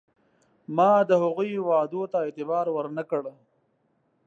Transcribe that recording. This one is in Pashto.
ما د هغوی وعدو ته اعتبار ور نه کړ.